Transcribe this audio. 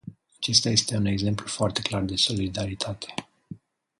Acesta este un exemplu foarte clar de solidaritate.